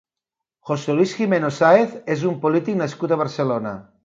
José Luis Jimeno Sáez és un polític nascut a Barcelona.